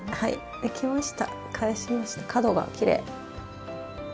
できました。